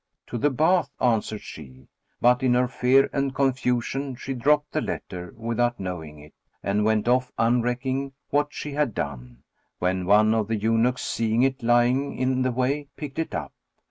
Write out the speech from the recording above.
"To the bath," answered she; but in her fear and confusion, she dropped the letter, without knowing it, and went off unrecking what she had done; when one of the eunuchs, seeing it lying in the way, picked it up.